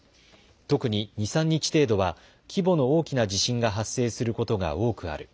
特に２、３日程度は規模の大きな地震が発生することが多くある。